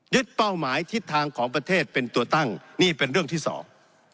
เป้าหมายทิศทางของประเทศเป็นตัวตั้งนี่เป็นเรื่องที่สอง